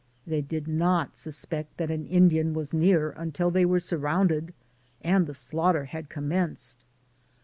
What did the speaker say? They did not suspect that an Indian was near until they were surrounded, and the slaughter had commenced.